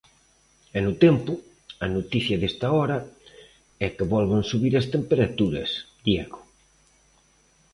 E no tempo, a noticia desta hora, é que volven subir as temperaturas, Diego.